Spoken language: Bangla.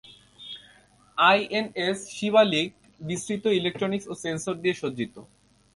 আইএনএস "শিবালিক" বিস্তৃত ইলেকট্রনিক্স ও সেন্সর দিয়ে সজ্জিত।